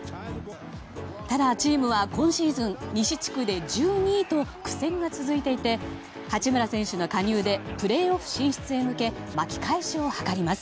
ただ、チームは今シーズン西地区で１２位と苦戦が続いていて八村選手の加入でプレーオフ進出へ向け巻き返しを図ります。